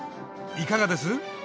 いかがです？